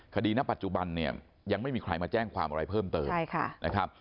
ณปัจจุบันเนี่ยยังไม่มีใครมาแจ้งความอะไรเพิ่มเติมนะครับ